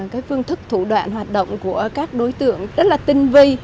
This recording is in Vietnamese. cái phương thức thủ đoạn hoạt động của các đối tượng rất là tinh vi